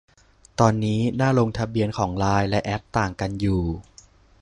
ตอนนี้หน้าลงทะเบียนของไลน์และแอป ต่างกันอยู่